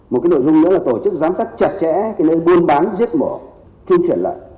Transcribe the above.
một cái nội dung nữa là tổ chức giám sát chặt chẽ cái nơi buôn bán giết mổ thun chuyển lợn